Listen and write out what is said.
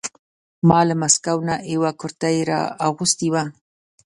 ما له مسکو نه یوه کرتۍ را اغوستې وه.